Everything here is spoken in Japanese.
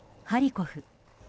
ハリコフ。